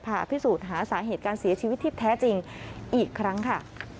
ผ่าพิสูจน์หาสาเหตุการเสียชีวิตที่แท้จริงอีกครั้งค่ะ